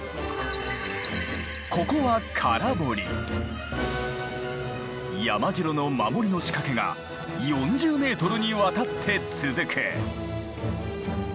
ここは山城の守りの仕掛けが４０ｍにわたって続く。